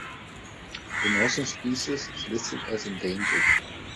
The northern species is listed as endangered.